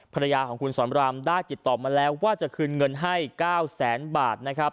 ภรรายาของคุณสอนรามได้กิจตอบมาแล้วว่าจะคืนเงินให้๙๐๐๐๐๐๐บาท